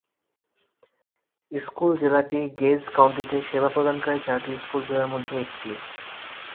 School জেলাটি Gage কাউন্টিতে সেবা প্রদানকারী চারটি স্কুল জেলার মধ্যে একটি।